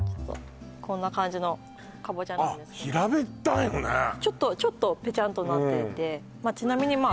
こんな感じのカボチャなんですけどあっ平べったいのねちょっとぺちゃんとなっていてちなみにまあ